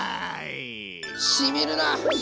しみるな！